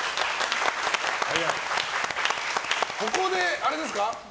ここであれですか？